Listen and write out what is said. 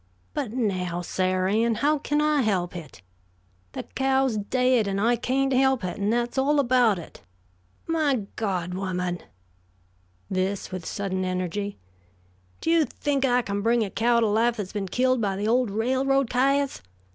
"But, now, Sar' Ann, how kin I help it? The cow's daid and I kain't help it, and that's all about it. My God, woman!" this with sudden energy, "do you think I kin bring a cow to life that's been killed by the old railroad kyahs?